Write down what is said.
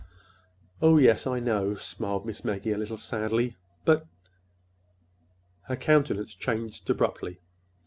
"Oh, yes, I know," smiled Miss Maggie, a little sadly. "But—" Her countenance changed abruptly.